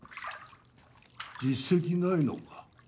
実績ないのか？